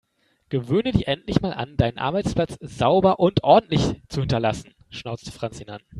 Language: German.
Gewöhne dir endlich mal an, deinen Arbeitsplatz sauber und ordentlich zu hinterlassen, schnauzte Franz ihn an.